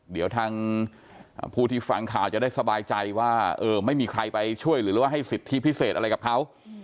เดี๋ยวทางผู้ที่ฟังข่าวจะได้สบายใจว่าไม่มีใครไปช่วยหรือว่าให้สิทธิพิเศษอะไรกับเขา